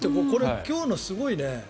今日のすごいね。